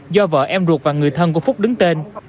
do vợ em ruột và người thân của phúc đứng tên